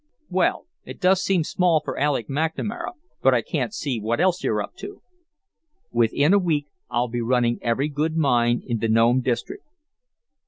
"Well, it does seem small for Alec McNamara, but I can't see what else you're up to." "Within a week I'll be running every good mine in the Nome district."